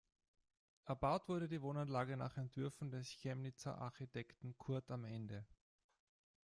Erbaut wurde die Wohnanlage nach Entwürfen des Chemnitzer Architekten Curt am Ende.